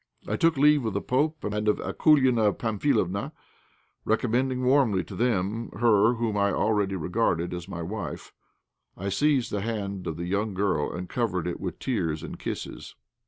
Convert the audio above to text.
I took leave of the pope and of Akoulina Pamphilovna, recommending warmly to them her whom I already regarded as my wife. I seized the hand of the young girl and covered it with tears and kisses.